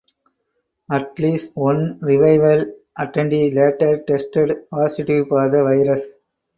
At least one revival attendee later tested positive for the virus.